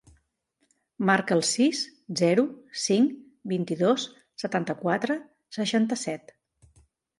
Marca el sis, zero, cinc, vint-i-dos, setanta-quatre, seixanta-set.